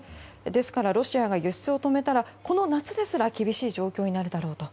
ですからロシアが輸出を止めたらこの夏ですら厳しい状況になるだろうと。